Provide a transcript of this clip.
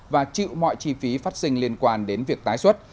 và chịu mọi chi phí phát sinh liên quan đến việc tái xuất